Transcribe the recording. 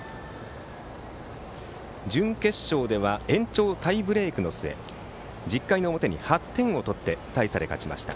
準決勝では延長タイブレークの末１０回の表に８点を取って大差で勝ちました。